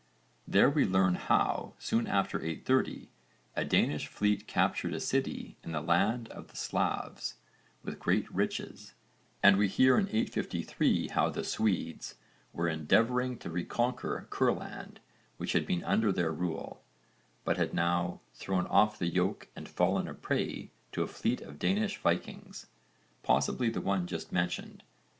There we learn how, soon after 830, a Danish fleet captured a city in the land of the Slavs, with great riches, and we hear in 853 how the Swedes were endeavouring to reconquer Kurland which had been under their rule, but had now thrown off the yoke and fallen a prey to a fleet of Danish Vikings possibly the one just mentioned.